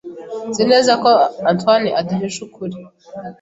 Nzi neza ko Antoine aduhisha ukuri.